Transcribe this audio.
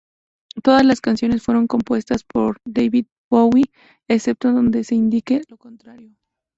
Todas las canciones fueron compuestas por David Bowie, excepto donde se indique lo contrario.